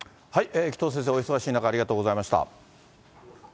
紀藤先生、お忙しい中、ありがとうございました。